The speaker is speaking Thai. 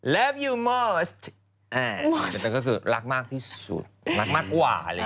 ลับยูมอสต์แล้วก็คือรักมากที่สุดรักมากกว่า